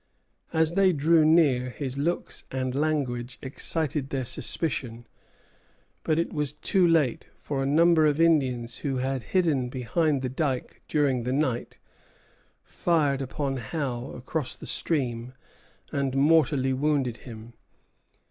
As they drew near, his looks and language excited their suspicion. But it was too late; for a number of Indians, who had hidden behind the dike during the night, fired upon Howe across the stream, and mortally wounded him.